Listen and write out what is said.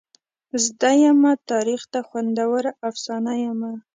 زده یمه تاریخ ته خوندوره افسانه یمه.